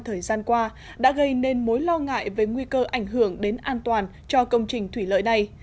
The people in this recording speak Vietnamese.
thời gian qua đã gây nên mối lo ngại về nguy cơ ảnh hưởng đến an toàn cho công trình thủy lợi này